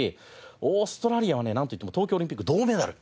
オーストラリアはねなんといっても東京オリンピック銅メダル。